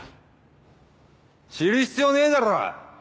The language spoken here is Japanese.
知る必要ねえだろ。